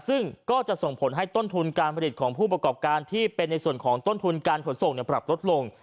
ซึ่งก็จะส่งผลให้ต้นทุนการผลิตของผู้ประกอบการที่เป็นในส่วนของต้นทุนการขนส่งปรับลดลง